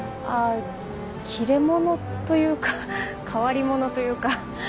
あぁ切れ者というか変わり者というか。